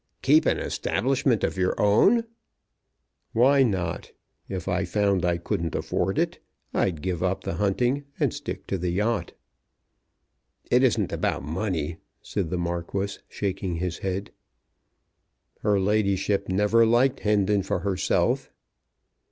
"Keep an establishment of your own?" "Why not? If I found I couldn't afford it I'd give up the hunting and stick to the yacht." "It isn't about money," said the Marquis, shaking his head. "Her ladyship never liked Hendon for herself."